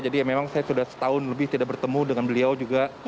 jadi memang saya sudah setahun lebih tidak bertemu dengan beliau juga